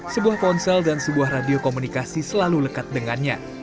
sebuah ponsel dan sebuah radio komunikasi selalu lekat dengannya